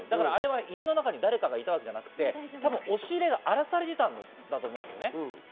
家の中に誰かいたわけじゃなくて、押し入れが荒らされていたんだと思うんです。